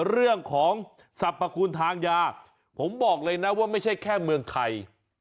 เรื่องของสรรพคุณทางยาผมบอกเลยนะว่าไม่ใช่แค่เมืองไทย